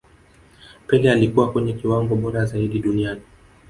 pele alikuwa kwenye kiwango bora zaidi duniani